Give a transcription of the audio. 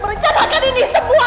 berencana kan ini sebuah